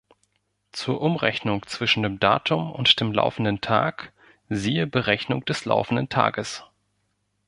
Zur Umrechnung zwischen dem Datum und dem laufenden Tag siehe Berechnung des laufenden Tages.